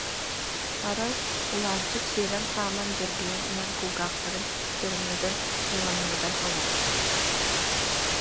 Арай, Улаанчык сиэлэн-хааман дьэргэйэн иһэн кулгаахтарын чөрөҥнөтөн, ньылаҥнатан ылара